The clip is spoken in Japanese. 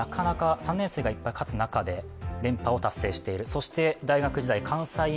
３年生がいっぱい勝つ中で連覇を達成している。